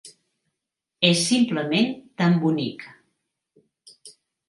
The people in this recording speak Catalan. És simplement tan bonic.